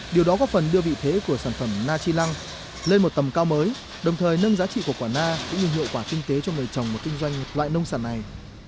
điều đó góp phần đưa vị thế của sản phẩm na chi lăng lên một tầm cao mới đồng thời nâng giá trị của quả na cũng như hiệu quả kinh tế cho người trồng và kinh doanh loại nông sản này